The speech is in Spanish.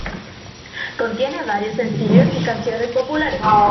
Contiene varios sencillo y canciones populares.